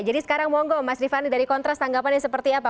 jadi sekarang mohon goh mas rifanli dari kontras tanggapannya seperti apa